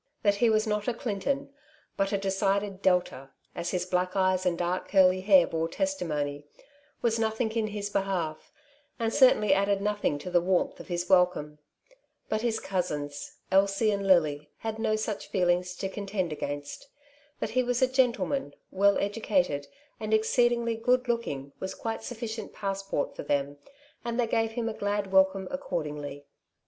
That he was not a Clinton, but a decided Delta — as his black eyes and dark curly hair bore testimony — was nothing in his behalf, and certainly added nothing to the warmth of his welcome. But his cousins, Elsie and Lily, had no such feelings to contend against. That he was a gentleman, well educated and ex ceedingly good looking, was quite sufficient pass port for them, and they gave him a glad welcome accordingly.